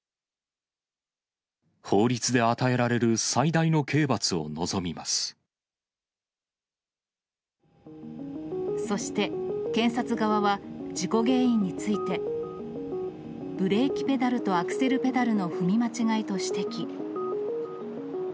法律で与えられる最大の刑罰そして、検察側は事故原因について、ブレーキペダルとアクセルペダルの踏み間違いと指摘。